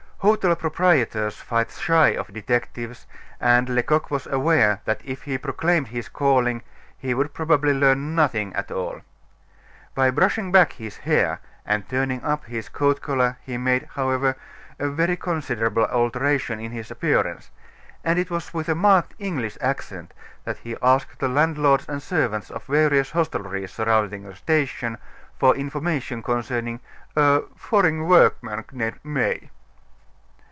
Hotel proprietors fight shy of detectives, and Lecoq was aware that if he proclaimed his calling he would probably learn nothing at all. By brushing back his hair and turning up his coat collar, he made, however, a very considerable alteration in his appearance; and it was with a marked English accent that he asked the landlords and servants of various hostelries surrounding the station for information concerning a "foreign workman named May."